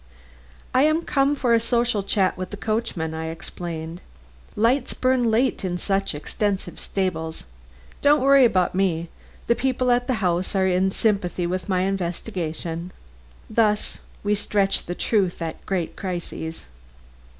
"I am come for a social chat with the coachman," I explained. "Lights burn late in such extensive stables. Don't worry about me. The people at the house are in sympathy with my investigation." Thus we stretch the truth at great crises.